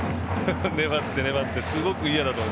粘って、粘ってすごくいやだと思う。